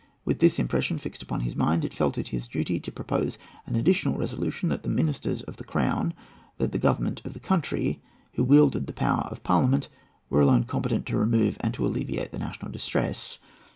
With this impression fixed upon his mind, he felt it his duty to propose an additional resolution, that the ministers of the crown, that the Government of the country, who wielded the power of Parliament, were alone competent to remove and to alleviate the national distress.